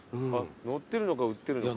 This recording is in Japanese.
乗ってるのか売ってるのか。